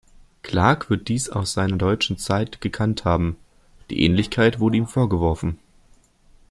Clark wird dies aus seiner deutschen Zeit gekannt haben; die Ähnlichkeit wurde ihm vorgeworfen.